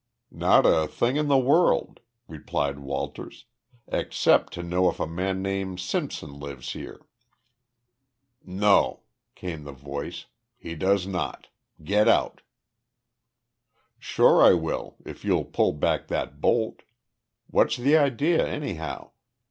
"Not a thing in the world," replied Walters, "except to know if a man named Simpson lives here." "No," came the voice, "he does not. Get out!" "Sure I will if you'll pull back that bolt. What's the idea, anyhow?